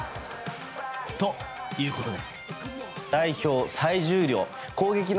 ということで。